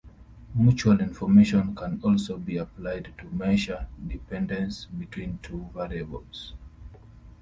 Mutual information can also be applied to measure dependence between two variables.